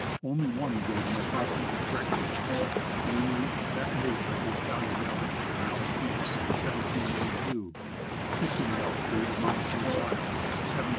Only one gave an approximately correct result ; namely, that made by the Italian navigator Malaspina in 1792, fixing the altitude of Mount St. Elias at 17,847 feet.